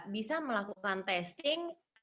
bisa melakukan testing